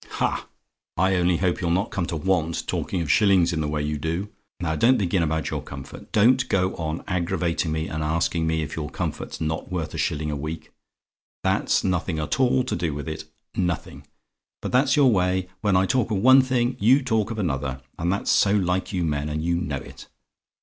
"Ha! I only hope to goodness you'll not come to want, talking of shillings in the way you do. Now, don't begin about your comfort: don't go on aggravating me, and asking me if your comfort's not worth a shilling a week? That's nothing at all to do with it nothing: but that's your way when I talk of one thing, you talk of another; that's so like you men, and you know it.